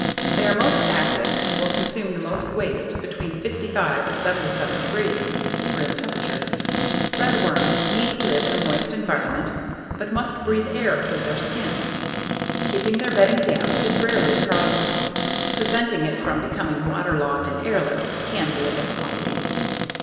They are most active and will consume the most waste between 55 77 degree room temperatures. Redworms need to live in a moist environment but must breath air through their skin. Keeping their bedding damp is rarely the problem; preventing it from becoming waterlogged and airless can be a difficulty.